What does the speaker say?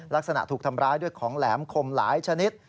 ถูกทำร้ายด้วยของแหลมคมหลายชนิด